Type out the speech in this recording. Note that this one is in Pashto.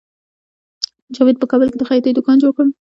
جاوید په کابل کې د خیاطۍ دکان جوړ کړ